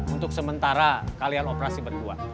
untuk sementara kalian operasi berdua